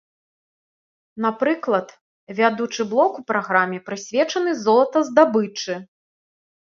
Напрыклад, вядучы блок у праграме прысвечаны золатаздабычы.